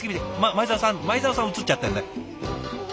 前澤さん前澤さん映っちゃってるんだよ。